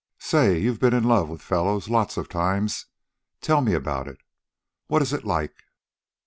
"Say, you've ben in love with fellows, lots of times. Tell me about it. What's it like?"